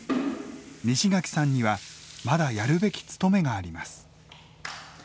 西垣さんにはまだやるべき勤めがあります。